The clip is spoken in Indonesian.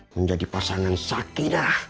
menjadi pasangan sakitah